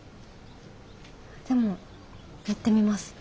でもやってみます。